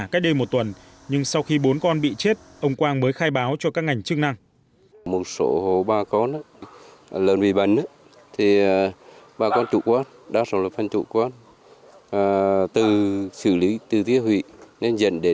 cách đây một tuần nhưng sau khi bốn con bị chết ông quang mới khai báo cho các ngành chức năng